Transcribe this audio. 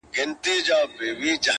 سم به خو دوى راپسي مه ږغوه _